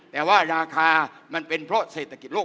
แต่ว่าราคามันเป็นเพราะเศรษฐกิจโลก